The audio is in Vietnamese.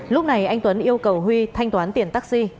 lúc này anh tuấn yêu cầu huy thanh toán tiền taxi